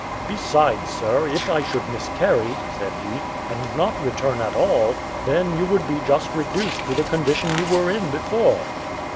"Besides, sir, if I should miscarry," said he, "and not return at all, then you would be just reduced to the condition you were in before."